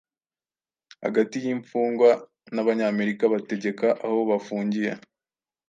hagati y'imfungwa n'Abanyamerika bategeka aho bafungiye.